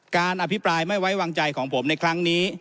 อภิปรายไม่ไว้วางใจของผมในครั้งนี้